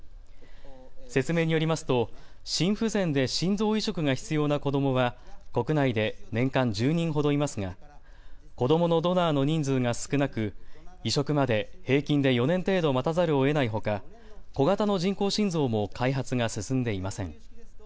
説明によりますと心不全で心臓移植が必要な子どもは国内で年間１０人ほどいますが子どものドナーの人数が少なく移植まで平均で４年程度待たざるをえないほか小型の人工心臓も開発が進んでいません。